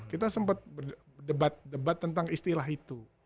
kita sempat berdebat debat tentang istilah itu